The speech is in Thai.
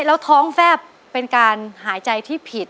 แล้วท้องแฟบเป็นการหายใจที่ผิด